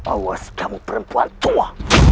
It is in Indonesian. awas kamu perempuan tua